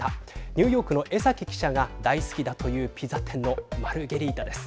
ニューヨークの江崎記者が大好きだというピザ店のマルゲリータです。